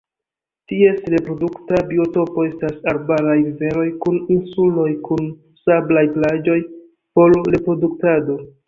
Ties reprodukta biotopo estas arbaraj riveroj kun insuloj kun sablaj plaĝoj por reproduktado.